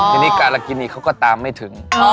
ทีนี้การากินีเขาก็ตามไม่ถึง